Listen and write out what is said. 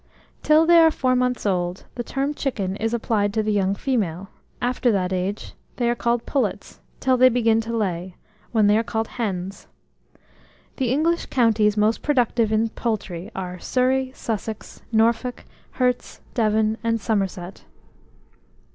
Till they are four months old, the term chicken is applied to the young female; after that age they are called pullets, till they begin to lay, when they are called hens. The English counties most productive in poultry are Surrey, Sussex, Norfolk, Herts, Devon, and Somerset.